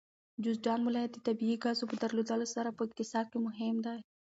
جوزجان ولایت د طبیعي ګازو په درلودلو سره په اقتصاد کې مهم دی.